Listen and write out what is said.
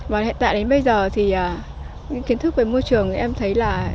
và hiện tại đến bây giờ thì những kiến thức về môi trường em thấy là